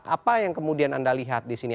apa yang kemudian anda lihat di sini